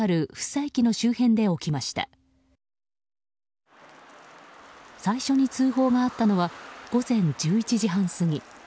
最初に通報があったのは午前１１時半過ぎ。